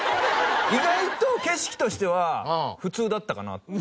意外と景色としては普通だったかな。